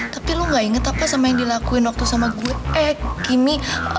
tapi lo gak inget apa sama yang dilakuin waktu sama gue eh kimmy